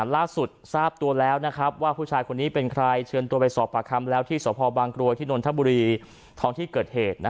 ล่าสุดทราบตัวแล้วว่าผู้ชายคนนี้เป็นใครเชิญตัวไปสอบปากคำแล้วที่สพบางกรวยที่นนทบุรีท้องที่เกิดเหตุ